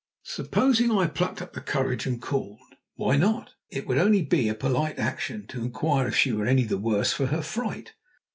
Supposing I plucked up courage and called? Why not? It would be only a polite action to inquire if she were any the worse for her fright.